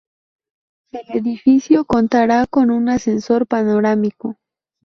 El edificio contará con un ascensor panorámico.